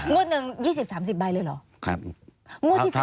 งวดหนึ่ง๒๐๓๐ใบเลยเหรอ